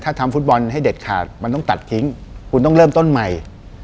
ถ้าทำฟุตบอลให้เด็ดขาดมันต้องตัดทิ้งคุณต้องเริ่มต้นใหม่